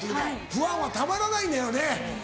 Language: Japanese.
ファンはたまらないのやろね。